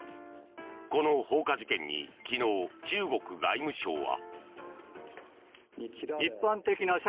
この放火事件に昨日、中国外務省は。